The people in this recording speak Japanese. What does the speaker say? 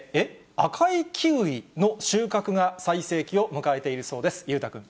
赤いキウイの収穫が最盛期を迎えているそうです。